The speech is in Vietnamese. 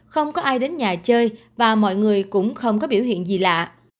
không có ai đến nhà chơi và mọi người cũng không có biểu hiện gì lạ